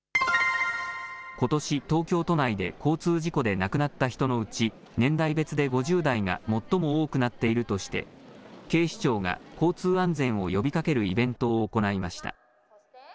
ことし東京都内で交通事故で亡くなった人のうち年代別で５０代が最も多くなっているとして警視庁が交通安全を呼びかけるイベントを行いました。